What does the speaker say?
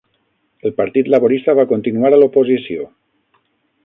El Partit Laborista va continuar a l'oposició.